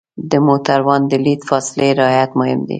د موټروان د لید فاصلې رعایت مهم دی.